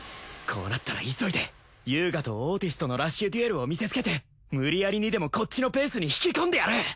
こうなったら急いで遊我とオーティスとのラッシュデュエルを見せつけて無理やりにでもこっちのペースに引き込んでやる！